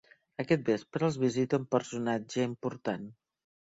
Aquest vespre els visita un personatge important.